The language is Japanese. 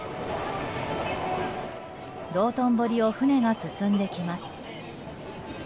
道頓堀を船が進んできます。